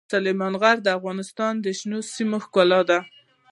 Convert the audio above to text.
سلیمان غر د افغانستان د شنو سیمو ښکلا ده.